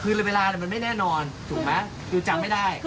คือเวลามันไม่แน่นอนถูกไหมคือจำไม่ได้